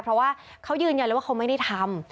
เพราะว่าเขายืนยันเลยว่าเขาไม่ได้ทำ